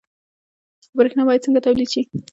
برښنا باید څنګه تولید شي؟